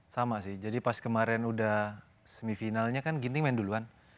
sama sih jadi pas kemarin udah semifinalnya kan ginting main duluan